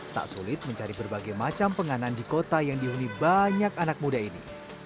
tak sulit mencari berbagai macam penganan di kota yang dihuni banyak anak muda ini